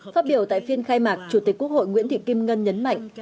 phát biểu tại phiên khai mạc chủ tịch quốc hội nguyễn thị kim ngân nhấn mạnh